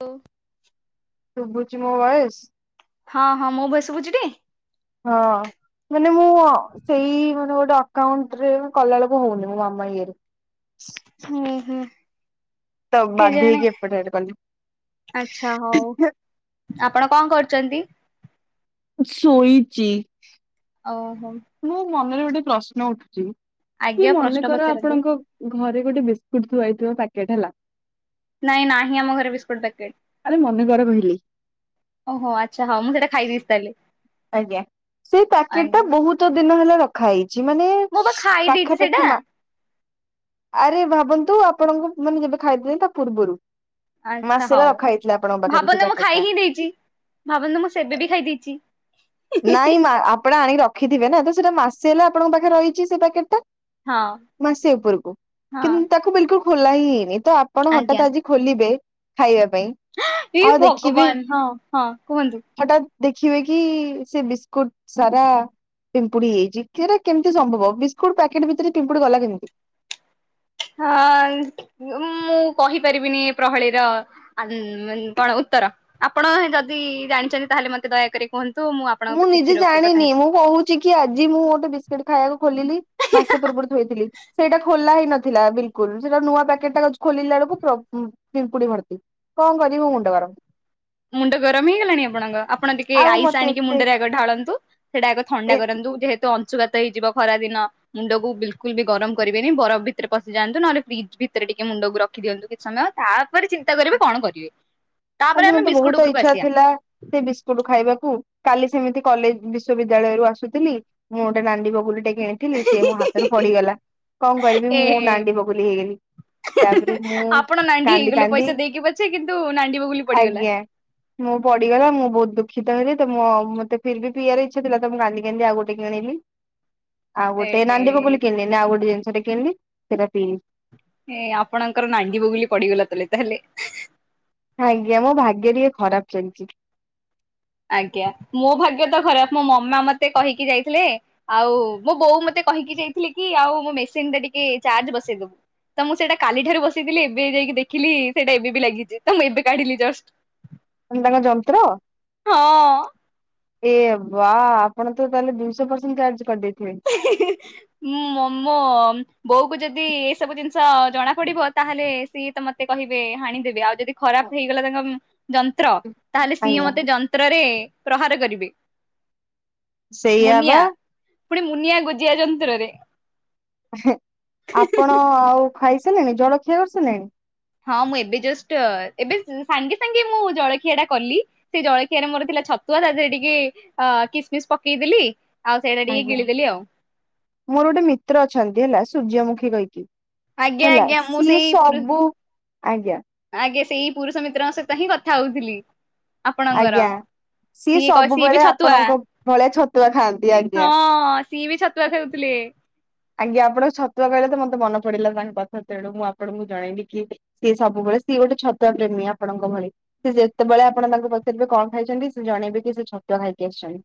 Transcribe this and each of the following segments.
ହୋଉ। ସୁଭୁଛିି ମୋ ଭଏସ୍। ହଁ ହଁ ମୋ ଭଏସ୍ ସୁଭୂଛିଟି? ହଁ। ମାନେ ମୁଁ ସେଇ ମେର ଗୋଟେକାଉଣ୍ଟରେ କଲାବେଳକୁ ହଉନି ମୋ ମାମା ଏମାଏ ହୁଁ ହୁଁ। ତ କେ ବାଧ୍ୟ ଜାଣି ହେଇକି ଏପଟେ ଆଡେ କଲି। ଆଚ୍ଛା ହଉ। ଆପଣ କଣ କରୁଛନ୍ତି? ଶୋଇଚି। ଓହୋ। ମନରେ ଗୋଟେ ପ୍ରଶ୍ନ ଉଠୁଛି କି ଆଜ୍ଞା ପ୍ରଶ୍ନ ମନେକର ପଚାରନ୍ତୁ। ଆପଣଙ୍କ ଘରେ ଗୋଟେ ବିସ୍କୁଟ୍ ଥୁଆଇ। ପ୍ୟାକେଟ୍ ହେଲା। ନାଇଁ ନାହିଁ ଆମ ଘରେ ବିସ୍କୁଟ୍ ଆରେ ମନେକର କହିଲି। ଓହୋ ଆଛା ହଁ ମୁଁ ସେଟା ଖାଇଦେଇଛି ତାହେଲେ। ଆଜ୍ଞା ସେଇ ପ୍ୟାକେଟ ଟା ଆଜ୍ଞା। ବହୁତ ଦିନ ହେଲା ରଖା ହେଇଛି। ଏମାନେ ମୁଁ ବା ଖାଇ ଦେଇଛି ସେଇଟା ପାଖାପାଖି ମା ଆରେ ଭାବନ୍ତୁ ଆପଣଙ୍କୁ ମାନେ ଯେବେ ଖାଇଥିଲେ ତା ପୂର୍ବରୁ ଆଚ୍ଛା ମାସେ ହେଲା ହଉ ରଖା ହେଇଥିଲ ଭାବନ୍ତୁ ମୁଁ ଖାଇ ହିଁ ଦେଇଛି ଭାବନ୍ତୁ ମୁଁ ସେବେ ବି ଖାଇ ଦେଇଛି। ନାଇଁ ମା ଆପଣ ଆଣିକି ରଖିଥିବେ ନା ତ ସେଇଟା ମାସେ ହେଲା ଆପଣଙ୍କ ପାଖରେ ରହିଛି ସେ ପ୍ୟାକେଟ୍ ଟା। ହଁ ମାସେ ଉପରକୁ ହଁ କିନ୍ତୁ ତାକୁ ବିଲକୁଲ ଖୋଲା ହିଁ ହେଇନି ତ ଆପଣ ହଠାାତ ଆଜ୍ଞା ଆଜି ଖୋଲିବେ ଖାଇବାକୁ ପାଇଁ ଏଇ ଆଉ ଦେଖିବି ଭଗବାନ ହଁ ହଁ କୁହନ୍ତୁ। ହଠାତ୍ ଦେଖିବେ କି ସେ ବିସ୍କୁଟ ସାରା ପିମ୍ପୁଡି ହେଇାଇଛି କେମିତି ସମ୍ଭବ ବିସ୍କୁଟ ପ୍ୟାକେଟ ଭିତରେ ପିମ୍ପୁଡି ଗଲା କେମିତି? ହଁ ମୁଁ କହିପାରିବିନି ପ୍ରହଳୀର କଣ ଉତ୍ର ଆପଣ ଯଦି ଜାଣିଛନ୍ତି ତାହେଲେ ମତେ ଦୟାକରି କୁହନ୍ତ ମୁଁ ନିଜେ ଜାଣିନି ମୁଁ କହୁଛି କି ଆଜି ମୁଁ ଗୋଟେ ବିସ୍କୁିଟ ଖାଇବାକୁ ଖୋଲିଲି ମାସେ ପୂର୍ବରୁ ଥିଲ ସେଇଟା ଖୋଲା ହେଇ ନଥିଲା ବିଲଲ ସେଟା ନୂଆ ପକଟ ଟା ଖୋଲିଲା ବେଳକୁ ପିମ୍ପୁଡି ଭରତି କଣ କରିବୁ ମୁଣ୍ଡ [unintelligible] ମୁଣ୍ଡ ଗରମ ହେଇଗଲାଣି ଆପଣଙ୍କ ଆପଣ ଟିକେ ଆଉ ଆଇସ ମତେ ଆଣିକି ଏତେ ମୁଣ୍ଡରେ ଆଗ ଢାଳନ୍ତୁ। ସେଇଟା ଆ ଏକ ଥଣ୍ଡା ଏ କରନ୍ତୁ ଯେହେତୁ ୁଗାତ ହେଇଯିବ ଖରା ଦିନ ମୁଣ୍ଡକୁ ବିଲକୁଲ ବି ଗରମ କରିବେନି ବରଫ ଭିତରେ ପଶିଯାନ୍ତୁ ନହେଲେ ଫ୍ରିଜ୍ ଭିତରେ ଟିକେ ମୁଣ୍ଡକୁ ରଖି ଦିଅନ୍ତୁ କିଛି ସମୟ ତାପରେ ଚିନ୍ତା କରିବେ କଣ କରିବେ ତାପରେ ଆଜି ଆମେ ମତେ ବିସ୍କୁଟ ବହୁତ ଉପରକୁ ଇଚଛା ଆସିବା ଥିଲା ସେ ବିସ୍କୁଟ ଖାଇବାକୁ କାଲି ସେମିତି କଲେଜ ବିଶ୍ୱବିଦ୍ୟାଳୟରୁ ଆୁଥିଲି ମୁଁ ଗୋଟେ ନାଣ୍ଡି ବଗୁଲି ଟ କିଣିଥିଲି ସେି ମୋ ହାତରୁ ପଡିଗଲା କଣ କରିବି ଏ ମୁଁ ହେ ନାଣ୍ଡି ବଗୁଲୀ ହେଇଗଲି। ତାପରେ ମୁଁ ଆପଣ ନାଣ୍ଡି କାନ୍ଦି ହେଇଗଲେ କାନ୍ଦି ପଇସା ଦେଇକି ପଛେ କିନ୍ତୁ ନାଣ୍ଡି ବଗୁଲି ପଡିଗଲା ଆଜ୍ଞା ମୁଁ ପଡିଗଲା ମୁଁ ବହୁତ ଦୁଃଖ ଦୀଖିତ ହେଲେ ତ ମୋତେ ଫିର ବି ପିଇବ ଇଚ୍ଛ ଥିଲା ତ ମୁଁ କାନ୍ଦି କାନ୍ଦି ଆଉ ଗୋଟେ କିଣିଲି ଆଉ ଗୋଟେ ଏହେ। ନାଣ୍ଡବଗୁଲୀ କିଣିଲିନି ଆଉ ଗୋଟେ ଜିନିଷ ଟା କିଣିଲି ସେଇଟା ପିଇଲି। ଏ ଆପଣଙ୍କର ନାଡି ବଗୁଲି ପଡିଗଲା ତ ତାହେଲେ ଆଜ୍ଞା ମୋ ଭାଗ୍ୟ ଟିକେ ଖରାପ ଚାଲିଛି। ଆଜ୍ଞା ମୋ ଭାଗ୍ୟ ତ ଖରାପ ମୋ ମାମା ମତେ କହିକି ଯାଇଥିଲେ ଆଉ ମୋ ବୋଉ ମତେ କହିକି ଯାଇଥିଲି କି ଆଉ ମୋ ମେସିନ ରେ ଟିକେ ଚାର୍ଜ ବସେଇଦବୁ ତ ମୁଁ ସେଇଟା କାଲି ଠାରୁ ବସେଇଥିଲି ଏବେ ଯାଇକି ଦେଖିଲି ସେଇଟା ଏବେ ବି ଲାଗିଛି ତ ମୁଁ ଏବେ କାଢିଲି ଜଷ୍ଟ ତାଙ୍କ ଯନ୍ତ୍ର? ହଁ। ଏ ବା ଆପଣ ତ ତାହେଲେ ଦୁଇଶହ ପରସେଣ୍ଟ ଚାର୍ଜ କରିଦେଇ ଁ ମମ ବୋଉ କୁ ଯଦି ସବୁ ଜିନିଷ ଜଣା ପଡିବ ତାହେଲେ ସିଏ ତ ମତେ କହିବେ ହାଣିଦେବେ ଆଉ ଯଦି ଖରାପ ହେଇଗଲା ତାଙ୍କ ଯନ୍ତ୍ର ତାହେଲେ ସିଏ ଆଜ୍ଞା ମତେ ଯନ୍ତ୍ରରେ ପ୍ରହାର କରିବେ। ସେଆବାା। ମୁନିଆ ପୁଣି ମୁନିଆ ଗୋଜିଆ ଯନ୍ତୁରରେ। ଆପଣ ଆଉ ଖାଇସିଲେଣି ଜଳଖିଆ କରିସିଲେଣି? ହଁ ମୁଁ ଏବେ ଜଷ୍ଟ ଏବେ ସାଙ୍ଗେ ସାଙ୍ଗେ ମୁଁ ଜଳଖିଆ ଟା କଲି ସେ ଜଳଖିଆରେ ମୋର ଥିଲା ସୁଆ ତାଦ ଟିକେ ଅ କିସମିସ ପକେଇଦଲି ଆଜ୍ଞା ମୋର ଗୋଟେ ମିତ୍ର ଅଛନ୍ତି ହେଲା ସୂର୍ଯ୍ୟମୁଖୀ କହିକି ଆଜ୍ଞା ହେଲା ଆଜ୍ଞା ମୁଁ ସିଏ ସେଇ ପୁରୁ ସବୁ ଆଜ୍ଞା ଆଜ୍ଞା ସେଇ ପୁରୁଷ ମିତ୍ରଙ୍କ ସହିତ ହିଁ କଥା ହଉଥିଲି ଆପଣଙ୍କର ଆଜ୍ଞା ସିଏ କ ସିଏ ବି ସବୁବେଳେ ଛତୁଆ ଆପଣଙ୍କ ଭଳିଆ ଛତୁଆ ଖାଆନ୍ତି ଆଜ୍ଞା। ହଁ ସିଏ ବି ଛତୁଆ ଖେଉଥିଲେ। ଆଜ୍ଞା ଆପଣଙ୍କ ଛତୁଆ କହିଲେ ତ ମତେ ମନ ପଡିଲା ତାଙ୍କ ପଥା ତେଣୁ ମୁଁ ଆପଣଙ୍କୁ ଜଣେଇବି କି ସି ସବୁ ସିଏ ଗୋଟେ ଛତୁଆ ପ୍ରେମୀ ଆପଣଙ୍କ ଭଳି ସେ ଯେତେବେଳେ ଆପଣ ତାଙ୍କ ପଚାରିବେ କଣ ଖାଇଛନ୍ତି ସେ ଜଣେଇବେ କି ଛତୁଆ ଖାଇକି ଆସିଛନ୍ତି।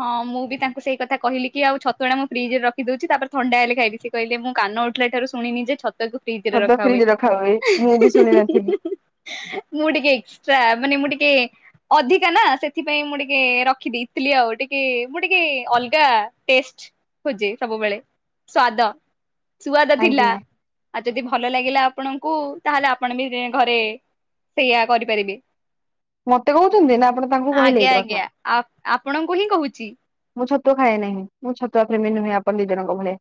ହଁ ମୁଁ ବି ତାଙ୍କୁ ସେଇ କଥା କହିଲି କି ଆଉ ଛତୁଆ ଟା ମୁଁ ଫ୍ରିଜ ରେ ରଖ ଦଉଛି ତାପରେ ଥଣ୍ଡା ହେଲେ ଖାଇବି ସେ କହିଲେ ମୁଁ କାନ ଉଠିଲା ଠାରୁ ଶୁଣିନି ଛତୁଆ କୁ ଫ୍ରିଜରେ ସଦା ରଖା ଫ୍ରିଜ ହୁଏ। ମୁଁ ବି ଶୁଣି ନଥିଲି। ମୁଁ ଟିକେ ଏକ୍ସଟ୍ରା ମାନେ ମୁଁ ଟିକେ ଟିକେ ଅଧିକା ନା ସେଥିପାଇଁ ମୁଁ ଟିକେ ରଖିଦେଇ ଥିଲି ଆଉ। ଟିକେ ମୁଁ ଟିକେ ଅଲଗା ଟେଷ୍ଟ ଖୋଜେ ସବୁବେଳେ ସ୍ୱାଦ। ସୁଆଦ ଥିଲା ଆଜ୍ଞା। ଆଉ ଯଦି ଭଲ ଲାଗିଲା ଆପଣଙ୍କୁ ତାହେଲେ ଆପଣ ବି ଏଁ ଘରେ ସେଇଆ କରିପାରିବେ। ମତେ କହୁଛନ୍ତି ନା ଆପଣ ତାଙ୍କୁ କହିଲେ ଆଜ୍ଞା ଏଇଟି କଥା? ଆଜ୍ଞା ଆ ଆପଣଙ୍କୁ ହିଁ କହୁଚି। ମୁଁ ଛତୁଆ ଖାଏ ନାହିଁ ମୁଁ ଛତୁଆ ପ୍ରେମ ନୁହେଁ ଆପଣ ଦି ଜଣଙ୍କ ଭଳିଆ।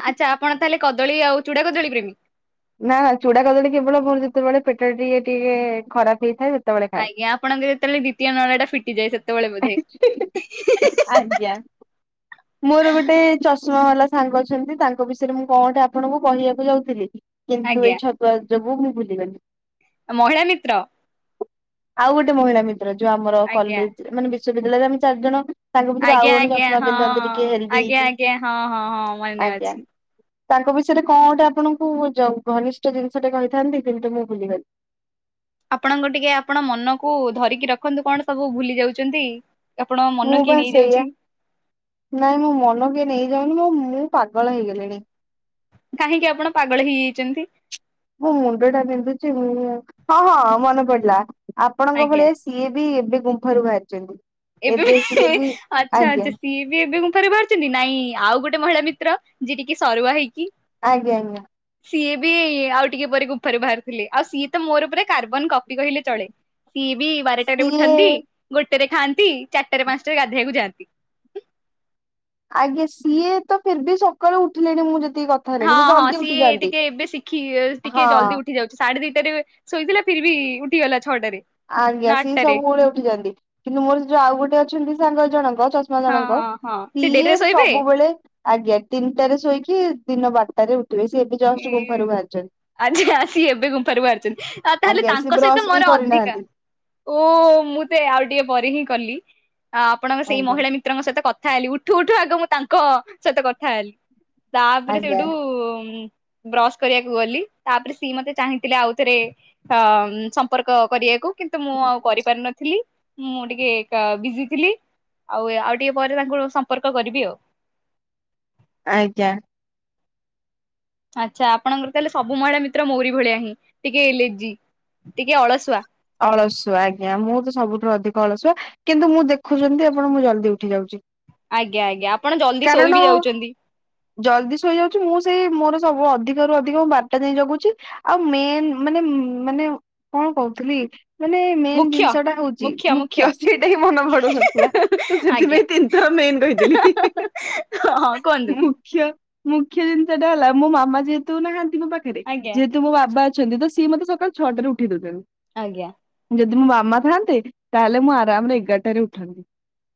ଆଚ୍ଛା ଆପଣ ତାହେଲେ କଦଳୀ ଆଉ ଚୁଡ଼ା କଦଳୀ ପ୍ରେମୀ। ନା ନା ଚୂଡା କଦଳୀ କେବଳ ମୋର ଯେତେବେଳେ ପେଟ ଟିକେ ଟିକେ ଖରାପ ହେଇଥାଏ ସେ ଆଜ୍ଞା ଆପଣଙ୍କ ଯେତେବେଳେ ଦ୍ଵିତୀୟ ନଳା ଟା ଫିଟିଯାଏ ସେତେବେଳେ ବୋଧେ। ଆଜ୍ଞା। ମୋର ଗୋଟେ ଚଷ ଶୁଣା ବାଲା ସାଙ୍ଗ ଅଛନ୍ତି ତାଙ୍କ ବିଷୟରେ ମୁଁ କଣଗୋଟେ ଆପଣଙ୍କୁ କହିବାକୁ ଯାଉଥିଲି କିନ୍ତୁ ଏଇ ଛତୁଆ ସବୁ ମୁଁ ଭୁଲିଗଲି। ଆ ମହିଳା ମିତ୍ର। ଆଉ ଗୋଟେ ମହିଳା ମିତ୍ର ଯୋଉ ଆମର ଆଜ୍ଞା କଲେଜ ମାନେରେ ବିଶ୍ୱବିଦ୍ୟାଳୟରେ ଆମେ ଚାରି ଜଣ ତାଙ୍କ ଭିତରୁ ଆଜ୍ଞା ଆଉ ଜଣେ ଆଜ୍ଞା ଚଷମା ହଁ ପିନ୍ଧନ୍ତି ଟିକେ ହେଲ୍ଦି ଆଜ୍ଞା ହେଇକି ଆଜ୍ଞା ହଁ ହଁ ହଁ ମନେ ଆଜ୍ଞା। ଅଛି ତାଙ୍କ ବିଷୟରେ କଣ ଗୋଟେ ଆପଣଙ୍କୁ ବୁଝ ଜ ଘନିଷ୍ଠ ଜିନିଷ ଟା କହିଥାନ୍ତି କିନ୍ତୁ ମୁଁ ଭୁଲି ଗଲି ଆପଣଙ୍କୁ ଟିକେ ଆପଣ ମନକୁ ଧରି କି ରଖନ୍ତୁ କଣ ସବୁ ଭୁଲି ଯାଉଚନ୍ତି। ମୁଁ ବା ସେଇଆା ନାଇଁ ମୋ ମନ କିଏ ନେଇଯାଉନି ମୁଁ ମୁଁ ପାଗଳ ହେଇ ଗଲିଣି। କାହିଁକି ଆପଣ ପାଗଳ ହେଇଯାଇଚନ୍ତି? ମୁଁ ମୁଣ୍ଡ ଟା ପନ୍ଧୁଚି ମୁଁ ହଁ ହଁ ମନେ ପଡିଲା। ଆପଣଙ୍କ ଆଜ୍ଞା ଭଳିଆ ସିଏ ବି ଏବେ ଗୁମ୍ଫା ରୁ ବାହାରିଚନ୍ତି। ଏବେ ବି ଆଚ୍ଛା ଆଛା ସିଏ ବି ଏବେ ଗୁମ୍ଫା ରୁ ବାହାରିଚନ୍ତି ନାଇଁ ଆଉ ଗୋଟେ ମହିଳା ବି ତ୍ର ଯିଏ ଟିକି ସରୁଆ ହେଇକି ଆଜ୍ଞା ଆଜ୍ଞା। ସିଏ ବି ଆଉ ଟିକେ ପରେ ଗୁମ୍ଫାରୁ ବାହାରି ଥିଲେ ଆଉ ସିଏ ତ ମୋର ପୁରା କାର୍ବନ କପି। କହିଲେ ଚଳେ ସିଏ ବି ବାରଟାରେ ସିଏ ଉଠନ୍ତି ଗୋଟେରେ ଖାଆ ନ୍ତି ଚାରିଟାରେ ପାଞ୍ଚଟାରେ ଗାଧେଇବାକୁ ଯାଆନ୍ତି। ଆଜ୍ଞା ସିଏ ତ ଫିର ବି ସକାଳୁ ଉଠିଲଣି ମୁଁ ଯେ ହଁ ହଁ ସିଏ ଟିକେ ଏବେ ଶିଖି ଟିକେ ହଁ ଜଲ୍ଦି ଉଠି ଯାଉଚି ସାଢ଼େ ଦି ଶୋଇଥିଲା ଫିର ବି ଉଠିଗଲା ଛଅଟାରେ ଆଜ୍ଞା ନା ସିଏ ଆଠଟାରେ ସବୁବେଳେ ଉଠି ଯାନ୍ତି କିନ୍ତୁ ମୋର ଯୋଉ ଆଉ ଗୋଟେ ଅଛନ୍ତି ସାଙ୍ଗ ଜଣକ ଚଷମା ହଁ ଜଣଙ୍କ ହଁ ହଁ ସେ ସିଏ ଡେରିରେ ଶୋଇବେ। ସବୁବେଳେ ଆଜ୍ଞା ତିନିଟାରେ ଶୋଇକି ଦିନ ବାରଟାରେ ଉଠିବେ ସିଏ ଏବେ ଜଷ୍ଟ ଗୁମ୍ଫାରୁ ବାହାରିଚନ୍ତି। ଆଛା ସିଏ ଏବେ ଗୁମ୍ଫାରୁ ବାହାରାରୁଚନ୍ତି ଆଉ ତାହେଲେ ଆଜ୍ଞା ସେ ତାଙ୍କ ସହିତ ବ୍ରସ୍ ବି ମୋର ଅଧିକା କରିନାହାନ୍ତି ଓ ମୁଁ ତ ଆଉ ଟିକେ ପରେ ହିଁ କଲି ଆ ଆପଣଙ୍କ ସେଇ ଆଜ୍ଞା ମହିଳା ମିତ୍ରଙ୍କ ସହିତ କଥା ହେଲି ଉଠୁ ଉଠୁ ଆଗ ମୁଁ ତାଙ୍କ ସହିତ କଥା ହେଲି। ତାପରେ ଆଜ୍ଞା। ସେଇଠୁ ବ୍ରଶ କରିବାକୁ ଗଲି ତାପରେ ସିଏ ମତେ ଚାହିଁଥିଲେ ଆଉ ଥରେ ଅ ସମ୍ପର୍କ କରିବାକୁ କିନ୍ତୁ ମୁଁ ଆଉ କରିପାରି ନଥିଲି। ମୁଁ ଟିକେ କା ବିଜି ଥିଲି ଆଉ ଆଉ ଟିକେ ପରେ ତାଙ୍କୁ ସମ୍ପର୍କ କରିବି ଆଉ। ଆଜ୍ଞା। ଆଚ୍ଛା ଆପଣଙ୍କର ତାହେଲେ ସବୁ ମହିଳା ମିତ୍ର ମୋରି ଭଳିଆ ହିଁ ଟିକେ ଲେଜି। ଟିକେ ଅଳସୁଆ। ଅଳସୁଆ ଆଜ୍ଞା ମୁଁ ତ ସବୁଠୁ ଅଧିକ ଅଳସୁଆ କିନ୍ତୁ ମୁଁ ଦେଖୁଛନ୍ତି ଆପଣ ମୁଁ ଜଲଦି ଉଠି ଯାଉଛି। ଆଜ୍ଞା ଆଜ୍ଞା ଆପଣ ଜଲଦି ଶୋଇ କାରଣ ବିି ଯାଉଛନ୍ତି ଜଲଦି ଶୋଇଯାଉଛି ମୁଁ ସେଇ ମୋର ସବୁ ଅଧିକ ରୁ ଅଧିକ ମୁ ବାର୍ଟା ଯାଇ ଜଗୁଛି ଆଉ ମେନ୍ ମାନେ ମାନେ କଣ କହୁଥିଲି ମାନେ ମେନ୍ ମୁଖ୍ୟ ଜିନିଷ ଟା ମୁଖ୍ୟ ମୁଖ୍ୟ। ହେଉଛିମୁଖ୍ୟ ସେଇଟା ହିଁ ମନ ଭଡୁନଥିଲା ତ ଆଜ୍ଞା। ସେଥିପାଇଁ ତିନିଥର କିନ୍ କହିଥିଲି। ହଁ କୁହନ୍ତୁ ମୁଖ୍ୟ ମୁଖ୍ୟ ଜିନିଷ ଟା ହେଲା ମୋ ମାମା ଯେହେତୁ ନାହାନ୍ତି ମୋ ପାଖରେ ଆଜ୍ଞା ଯେହେତୁ ମୋ ବାବା ଅଛନ୍ତି ତ ସିଏ ମତେ ସକାଳ ଛଅଟ ାରେ ଉଠେଇ ଦେଉଛନ୍ତି। ଆଜ୍ଞା। ଯଦି ମୋ ମାମା ଥାଆନ୍ତେ ତାହେଲେ ମୁଁ ଆରାମରେ ଏଗାରଟାରେ ଉଠନ୍ତି।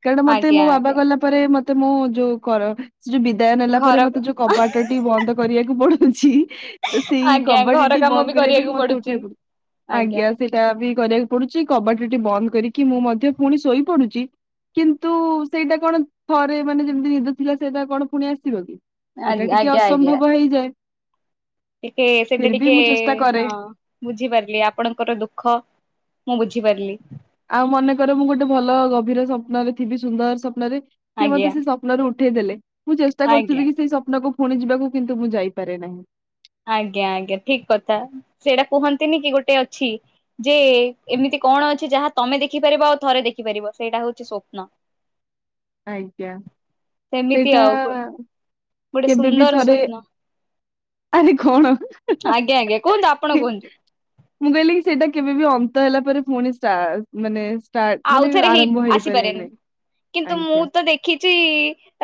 କାରଣ ମତେ ମୋ ଆଜ୍ଞା ବାବା ଆଜ୍ଞା ଗଲା ପରେ ମତେ ମୁଁ ଯୋଉ କର ସେ ଯୋଉ ବିଦାୟ ନେଲା ପରେ ଘର ମତେ ଯୋଉ କବାଟ ଟି ବନ୍ଦ କରିବାକୁ ପଡୁଛି ତ ସେଇ ଆଜ୍ଞା କବାଟ ଟି ଘର କାମ ବନ୍ଦ ବି କରିବା ପାଇଁ କରିବାକୁ ମତେ ପଡୁଛି ଉଠିବାକୁ ପଡୁଚି। ଆଜ୍ଞା ସେଇଟା ବି କରିବାକୁ ପଡୁଛି କବାଟଟି ବନ୍ଦ କରିକି ମୁଁ ମଧ୍ୟ ପୁଣି ଶୋଇ ପଡୁଛି କିନ୍ତୁ ସେଇଟା କଣ ଥରେ ମାନେ ଯେମ୍ ତି ନିଦ ଥିଲା ସେଇଟା କଣ ପୁଣି ଆସିବ କି ସେଇଟା ଆଜ୍ଞା ଟିକେ ଆଜ୍ଞା ଅସମ୍ଭବ ହେଇଯାଏ ଟିକେ ସେଇଟା ଫିର ବି ଟିକେ ମୁଁ ଚେଷ୍ଟା କରେ ହଁ ବୁଝିପାରିଲି ଆପଣଙ୍କର ଦୁଃଖ ମୁଁ ବୁଝିପାରିଲି। ଆଉ ମନେକର ମୁଁ ଗୋଟେ ଭଲ ଗଭୀର ସ୍ୱପ୍ନରେ ଥିବି ସୁନ୍ଦର ସ୍ୱପ୍ନରେ ସିଏ ମତେ ଆଜ୍ଞା ସେ ସ୍ୱପ୍ନରେ ଉଠ ଉଠେଇ ଦେଲେ ମୁଁ ଚେଷ୍ଟା ଆଜ୍ଞା କରୁଥିବି କି ସେଇ ସ୍ୱପ୍ନକୁ ପୁଣି ଯିବାକୁ କିନ୍ତୁ ମୁଁ ଯାଇପାରେ ନାହିଁ। ଆଜ୍ଞା ଆଜ୍ଞା ଠିକ କଥା ସେଇଟା କୁହନ୍ତିନି କି ଗୋଟେ ଅଛି ଯେ ଏମିତି କଣ ଅଛି ଯାହା ତମେ ଦେଖିପାରିବ ଆଉ ଥରେ ଦେଖିପାରିବ ସେଇଟା ହଉଛି ସ୍ୱପ୍ନ। ଆଜ୍ଞା। ସେମିତି ସେଇଟା ଆଉ ଗୋଟେ କେବେବି ସୁନ୍ଦର ଥରେ ସ୍ୱପ୍ନ ଆରେ କଣ ଆଜ୍ଞା ଆଜ୍ଞା କୁହନ୍ତୁ ଆପଣ କୁହନ୍ତୁ ମୁଁ କହିଲି କି ସେଇଟା କେବେବି ଅ ତୀତ ହେଲା ପରେ ପୁଣି ଷ୍ଟାଟ ମାନେ ଷ୍ଟାର୍ଟ ମାନେ ଆଉଥରେ ହେଇ ଆରମ୍ଭ ଆସିପାରେନି ହେଇପାରେନି। କିନ୍ତୁ ମୁଁ ଆଜ୍ଞା। ତ ଦେଖିଛି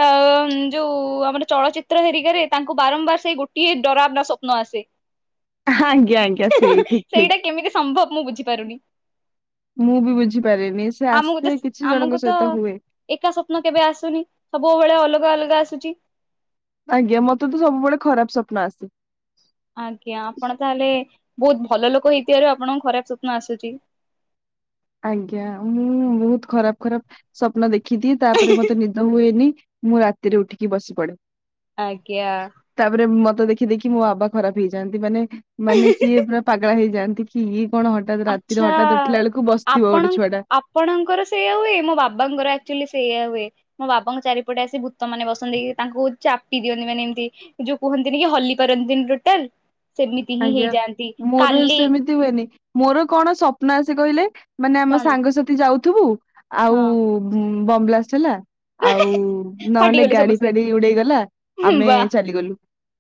ଅ ଉଁ ଯୋଉ ଆମର ଚଳଚିତ୍ର ହେରିକାରେ ତାଙ୍କୁ ବାରମ୍ବାର ସେଇ ଗୋଟିଏ ଡରାବନା ସ୍ୱପ୍ନ ଆସେ। ଆଜ୍ଞା ଆଜ୍ଞା ସେଇ ଠିକ ଠିକ ସେଇଟା କେମିତି ସମ୍ଭବ ମୁଁ ବୁଝିପାରୁନି। ମୁଁ ବି ବୁଝି ଆମକୁ ତ ଆମକୁ ତ ହୁଏ। ଏକା ସ୍ୱପ୍ନ କେବେ ଆସୁନି ସବୁବେଳେ ଅଲଗା ଅଲଗା ଆସୁଚି। ଆଜ୍ଞା ମତେ ତ ସବୁବେଳେ ଖରାପ ସ୍ୱପ୍ନ ଆସି ଆଜ୍ଞା ଆପଣ ତାହେଲେ ବହୁତ ଭଲ ଲୋକ ହେଇଥିବାରୁ ଆପଣଙ୍କ ଖରାପ ସ୍ୱପ୍ନ ଆସୁଚି। ଆଜ୍ଞା ମୁଁ ବହୁତ ଖରାପ ଖରାପ ସ୍ୱପ୍ନ ଦେଖିଦିଏ ତାପରେ ମତେ ନିଦ ହୁଏନି ମୁଁ ରାତିରେ ଉଠିକି ବସି ପଡେ। ଆଜ୍ଞା। ଫଟୋ ଦେଖି ଦେଖି ମୋ ବାବା ଖରାପ ହେଇଯାନ୍ତି ମାନେ ମାନେ ଆଜ୍ଞା। ସିଏ ପୁରା ପାଗଳା ହେଇଯାନ୍ତି କି କଣ ହଠାତ୍ ରାତିରେ ହଠାତ୍ ଉଠିଲା ବେଳକୁ ବସି ପଣ ଆପଣଙ୍କର ସେଇୟା ହୁଏ ମୋ ବାବାଙ୍କର ଆକ୍ଚୁଆଲି ସେଇଆ ହୁଏ ମୋ ବାବାଙ୍କ ଚାରିପଟେ ଆସି ଭୂତ ମାନେ ବସନ୍ତି ତାଙ୍କୁ ଚାପି ଦିଅନ୍ତି ମାନେ ଏମିତି ଯୋଉ କୁହନ୍ତିନି ହଲି ପାରନ୍ତିନି ଟୋଟାଲ୍ ଆଜ୍ଞା ମୋର ସେମିତି ହୁଏନି ମୋର କଣ ସ୍ୱପ୍ନ ଆସେ କହିଲେ ମାନେ ଆମ କଣ ସାଙ୍ଗସଥି ଯାଉଥିବୁ ଆଉ ହଁ ବମ୍ ବ୍ଲାଷ୍ଟ ହେଲା ଆଉ ନହେଲେ ଫାଟିଗଲେ ଗାଡି ସମସ୍ତେ ଫାଡି ଉଡେଇ ଗଲା ଆମେ ବା ଚାଲିଗଲୁ।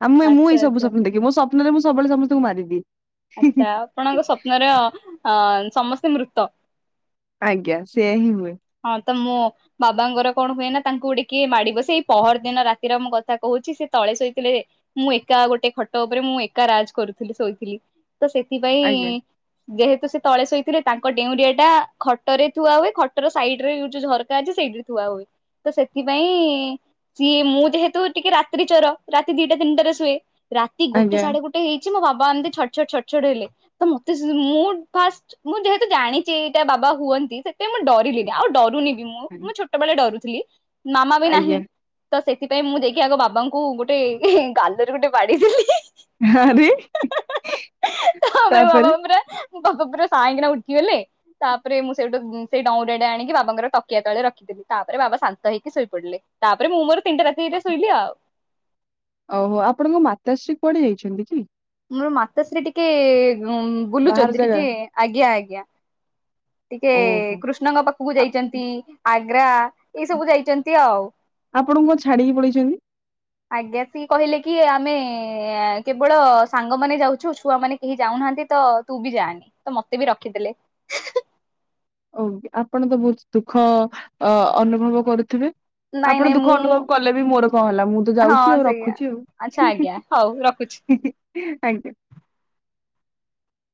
ଆ ମୁଁ ମୁଁ ଆଚ୍ଛା ଏସବୁ ଆଚ୍ଛା ସ୍ୱପ୍ନ ଦେଖେ ମୋ ସପନରେ ମୁଁ ସବୁବେଳେ ସମସ୍ତଙ୍କୁ ମାରିଦିଏ। ଆଚ୍ଛା ଆପଣଙ୍କ ସ୍ୱପ୍ନର ସମସ୍ତେ ମୃତ। ଆଜ୍ଞା ସେଇଆ ହିଁ ହୁଏ। ହନ୍ ତ ମୁଁ ବାବାଙ୍କର କଣ ହୁଏ ନା ତାଙ୍କୁ ଟି କିଏ ମାଡି ବସେ ଏଇ ପହର ଦିନ ରାତିର ମୁଁ କଥା କହୁଛି ସେ ତଳେ ଶୋଇଥିଲେ ମୁଁ ଏକା ଗୋଟେ ଖଟ ଉପରେ ମୁଁ ଏକା ରାଜ୍ କରୁଥିଲି ଶୋଇଥିଲି ତ ସେଥିପାଇଁ ଆଜ୍ଞା ଯେହେତୁ ସେ ତଳେ ଶୋଇଥିଲେ ତାଙ୍କ ଡେଉଁରିଆ ଟା ଖଟରେ ଥୁଆ ହୁଏ। ଖଟ ସାଇଡ ରେ ଯୋଉ ଝରକା ଅଛି ସେଇଠିରେ ଥୁଆ ହୁଏ ତ ସେଥିପାଇଁ ସିଏ ମୁଁ ଯେହେତୁ ଟିକେ ରାତ୍ରି ଚୋର ରାତି ଦିଟା ତିନିଟାରେ ଶୁଏ ରାତି ଗୋଟେ ଆଜ୍ଞା। ସାଢେ ଗୋଟେ ହେଇ ଛି ମୋ ବାବା ଏମିତି ଛ ଛଟ ଛଟ ଛଟ ହେଲେ ତ ମତେ ମୁଁ ଫାଷ୍ଟ୍ ମୁଁ ଯେହେତୁ ଜାଣିଛି ଏଇଟା ବାବ୍ ବା ହୁଅନ୍ତି ସେତେ ମୁଁ ଡରି ଗଲି ଆଉ ଡରୁନି ବି ମୁଁ ଆଉ ମୁଁ ଛୋଟବେଳେ ଡରୁଥିଲି ମାମା ବି ନାହିଁ। ଆଜ୍ଞା ତ ସେ ସେଥିପାଇଁ ମୁଁ ଯାଇକି ଆଗ ବାବାଙ୍କୁ ଗୋଟେ ଗାଲରେ ଗୋଟେ ବାଡେଇଦେଲି ଆରେ ତାପରେ ପାଖ ପୁରା ସାଇଁକିନା ଉଠିଗଲେ ତାପରେ ମୁଁ ସେଇଠୁ ସେ ଡଁ ଡେ ଆଣିକି ବାବାଙ୍କର ତକିଆ ତଳେ ରଖିେଲି ତାପ ବାବା ହେଇକି ଶୋଇ ପଡିଲେ ତାପ ମୁଁ ମୋର ତିନିଟା ରାତିରେ ଶୋଇଲି ଆଉ। ଓହୋ ଆପଣଙ୍କ ମାତା ଶ୍ରୀ କୁଅଡେ ଯାଇଛନ୍ତି କି? ମୋର ମାତାଶ୍ରୀ ଟିକେ ବାହାର ବୁଲୁଛନ୍ତି ଜାଗା ଟିକେ ଆଜ୍ଞା ଆଜ୍ଞା। ଟିକେ ଓହୋ କୃଷ୍ଣଙ୍କ ପାଖକୁ ଆ- ଯାଇଛନ୍ତି ଆଗ୍ରା। ଏଇ ସବୁ ଯାଇଛନ୍ତି ଆଉ। ଆପଣଙ୍କୁ କଣ ଛାଡିକି ପଳେଇଛନ୍ତି? ଆଜ୍ଞା ସିଏ କହିଲେ କି ଆମେ କେବଳ ସାଙ୍ଗମାନେ ଯାଉଛୁ ଛୁଆ ମାନେ କେହି ଯାଉନାହାନ୍ତି। ତ ତୁ ବି ଯାଆନି ତ ମତେ ବି ରଖିଦେଲେ। ଓ ଆପଣ ତ ବହୁତ ଦୁଃଖ ଅ-ଅନୁଭବ କରୁଥିବେ? ନାଇଁ ଆପଣ ନାଇଁ ଦୁଃଖ ମୁଁ ଅନୁଭବ କଲେ ବି ମୋର କଣ ହେଲା? ମୁଁ ତ ହଁ ଯାଉଛି ଆଉ ସେଇଆ ରଖୁଛି ଆଚ୍ଛା ଆଜ୍ଞା ହଉ ରଖୁଛି। ଆଉ। ଆଜ୍ଞା।